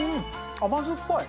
甘酸っぱい。